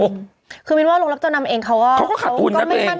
คือหมายถึงว่าโรงรับจำนำเองเขาก็ไม่มั่นใจเขาก็ขัดคุณครับเอง